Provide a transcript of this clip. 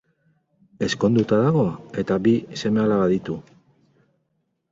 Ezkonduta dago eta bi seme-alaba ditu.